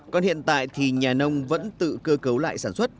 còn hiện tại thì nhà nông vẫn tự cơ cấu lại sản xuất